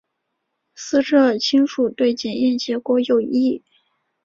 死者亲属对检验结果有异。